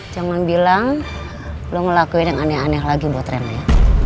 jangan bilang lo ngelakuin yang aneh aneh lagi buat remnya